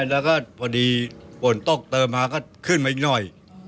แล้วก็พอดีฝนตกเติมมาก็ขึ้นมาอีกหน่อย